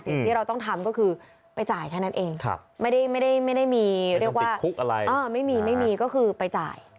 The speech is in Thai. สิ่งที่เราต้องทำก็คือไปจ่ายแค่นั้นเองไม่ได้มีเรียกว่าไม่มีไม่มีก็คือไปจ่าย